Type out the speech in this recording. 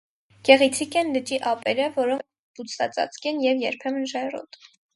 Գեղեցիկ են լճի ափերը, որոնք բուսածածկ են և երբեմն ժայռոտ։